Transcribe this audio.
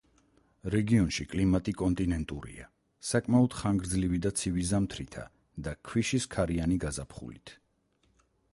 რეგიონში კლიმატი კონტინენტურია, საკმაოდ ხანგრძლივი და ცივი ზამთრითა და ქვიშის ქარიანი გაზაფხულით.